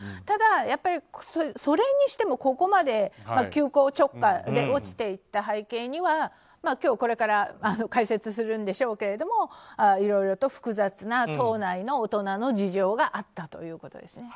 ただ、やっぱりそれにしてもここまで急行直下で落ちていった背景には今日これから解説するんでしょうけどいろいろと複雑な党内の大人の事情があったということです。